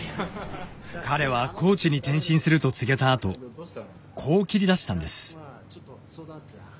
彼はコーチに転身すると告げたあとこう切りだしたんです。